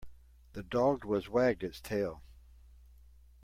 The dog was wagged its tail.